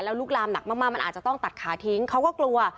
ลุกลามหนักมากมันอาจจะต้องตัดขาทิ้งเขาก็กลัว